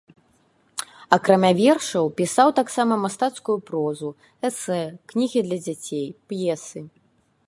Акрамя вершаў, пісаў таксама мастацкую прозу, эсэ, кнігі для дзяцей, п'есы.